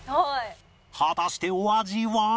果たしてお味は？